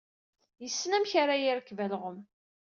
Yessen amek ara yerkeb alɣem.